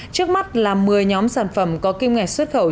trước mắt là một mươi nhóm sản phẩm có kim ngạch xuất khẩu